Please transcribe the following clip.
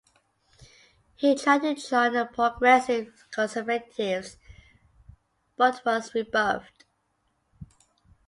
He tried to join the Progressive Conservatives, but was rebuffed.